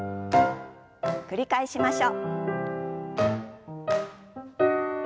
繰り返しましょう。